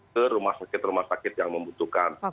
ke rumah sakit rumah sakit yang membutuhkan